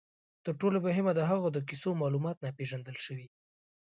تر ټولو مهمه، د هغوی د کیسو معلومات ناپېژندل شوي.